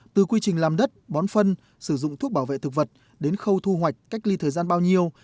từ quy trình làm đất bón phân sử dụng thuốc bảo vệ thực vật đến khâu thu hoạch cách ly thời gian bao nhiêu